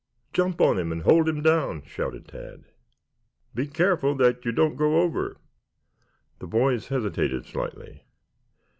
"Jump on him and hold him down," shouted Tad. "Be careful that you don't go over." The boys hesitated slightly.